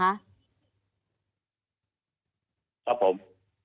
ครับผม